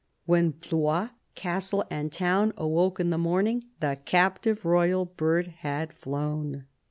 When Blois, castle and town, awoke in the morning, the captive royal bird had flown.